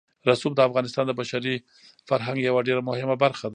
رسوب د افغانستان د بشري فرهنګ یوه ډېره مهمه برخه ده.